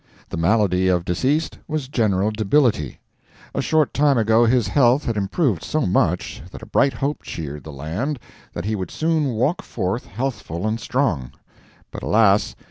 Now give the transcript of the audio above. The malady of deceased was general debility. A short time ago his health had improved so much that a bright hope cheered the land that he would soon walk forth healthful and strong; but alas!